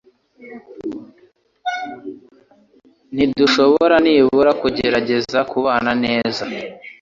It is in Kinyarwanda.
Ntidushobora nibura kugerageza kubana neza?